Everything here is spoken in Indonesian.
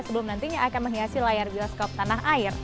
sebelum nantinya akan menghiasi layar bioskop tanah air